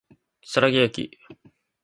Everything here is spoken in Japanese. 桔梗駅